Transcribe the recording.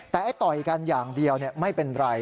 แต่ต่อยกันอย่างเดียวไม่เป็นไร